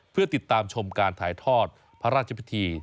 เพื่อติดตามชมการถ่ายทอดพระราชพิธี